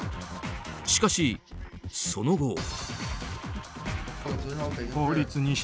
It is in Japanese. しかし、その後。